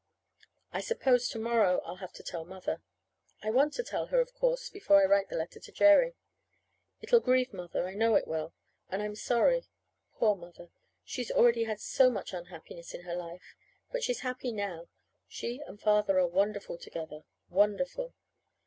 I suppose to morrow I'll have to tell Mother. I want to tell her, of course, before I write the letter to Jerry. It'll grieve Mother. I know it will. And I'm sorry. Poor Mother! Already she's had so much unhappiness in her life. But she's happy now. She and Father are wonderful together wonderful.